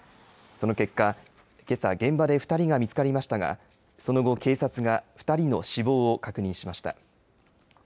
その結果、けさ現場で２人が見つかりましたが、その後、警察が２人の死亡を確認しました。